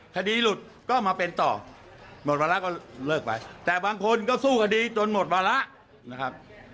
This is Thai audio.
คดีหลุดก็มาเป็นต่อหมดวาระก็เลิกไปแต่บางคนก็สู้คดีจนหมดวาระนะครับ